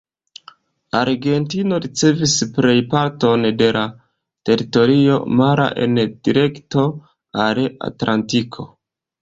Argentino ricevis plej parton de la teritorio mara en direkto al Atlantiko.